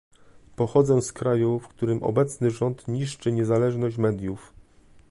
Pochodzę z kraju, w którym obecny rząd niszczy niezależność mediów